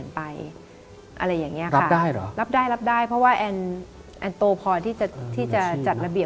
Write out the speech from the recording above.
ว่าอีก๒ปี